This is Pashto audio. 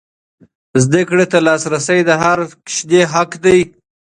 زده کړې ته لاسرسی د هر ماشوم حق دی.